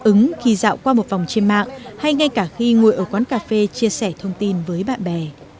ứng khi dạo qua một vòng trên mạng hay ngay cả khi ngồi ở quán cà phê chia sẻ thông tin với bạn bè